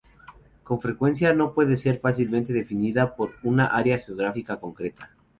Con frecuencia, no puede ser fácilmente definida por un área geográfica concreta.